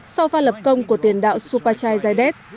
sau pha lập công của tiền đạo supachai zaidet